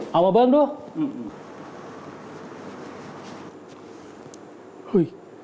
เอามาเบิ้งดูอืม